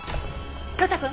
呂太くん！